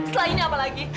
selainnya apa lagi